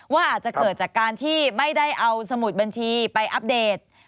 ว่าอาจจะเกิดจากการที่ไม่ได้เอาสมุดบัญชีไปอัปเดต